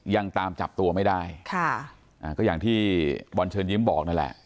ยังตามจับตัวไม่ได้ค่ะอ่าก็อย่างที่บอลเชิญยิ้มบอกนั่นแหละ